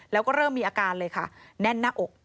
แล้วก็เริ่มมีอาการเลยค่ะแน่นหน้าอก